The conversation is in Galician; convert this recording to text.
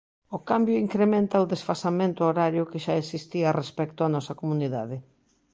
O cambio incrementa o desfasamento horario que xa existía respecto á nosa comunidade.